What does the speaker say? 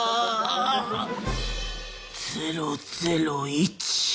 ００１。